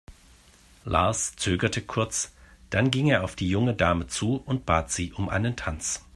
Lars zögerte kurz, dann ging er auf die junge Dame zu und bat sie um einen Tanz.